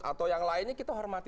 atau yang lainnya kita hormati